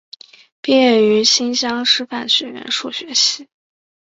毕业于新乡师范学院数学系。